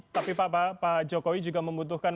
tapi pak jokowi juga membutuhkan